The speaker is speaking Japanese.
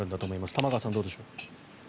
玉川さん、どうでしょう。